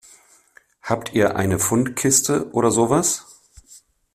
Habt ihr eine Fundkiste oder sowas?